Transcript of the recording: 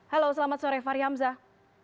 halo selamat sore fahri hamzah